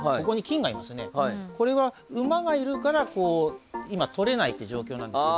これは馬がいるからこう今取れないって状況なんですけど。